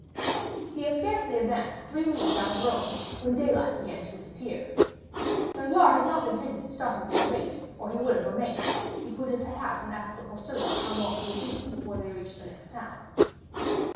He had scarcely advanced three leagues out of Rome when daylight began to disappear. Danglars had not intended starting so late, or he would have remained; he put his head out and asked the postilion how long it would be before they reached the next town.